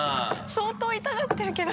相当痛がってるけど。